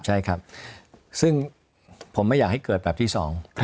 ใช่ครับซึ่งผมไม่อยากให้เกิดแบบที่สอง